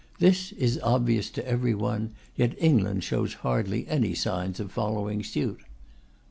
This is obvious to everyone, yet England shows hardly any signs of following suit.